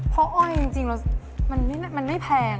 เพราะอ้อยจริงแล้วมันไม่แพง